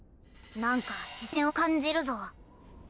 なんか視線を感じるぞ。